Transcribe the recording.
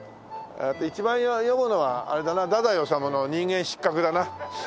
一番読むのはあれだな太宰治の『人間失格』だな。